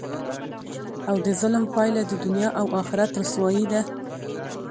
او دظلم پایله د دنیا او اخرت رسوايي ده،